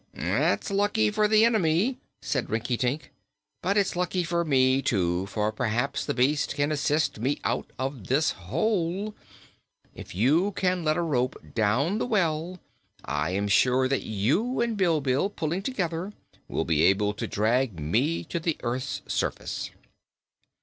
"That's lucky for the enemy," said Rinkitink. "But it's lucky for me, too, for perhaps the beast can assist me out of this hole. If you can let a rope down the well, I am sure that you and Bilbil, pulling together, will be able to drag me to the earth's surface."